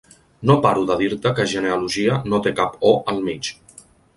No paro de dir-te que genealogia no té cap 'o' al mig.